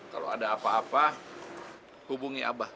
kalau ada apa apa hubungi abah